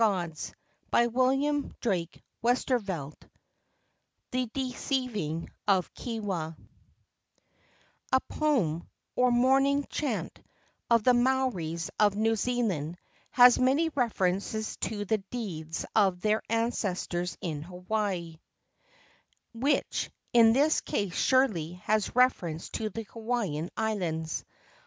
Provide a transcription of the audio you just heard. KEWA, A MAORI GIRL PART II DESCRIPTION • THE DECEIVING OF KEWA A poem, or mourning chant, of the Maoris of New Zealand has many references to the deeds of their ancestors in Hawaiki, which in this case surely has reference to the Hawaiian Islands.